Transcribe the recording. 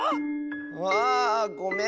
ああごめん！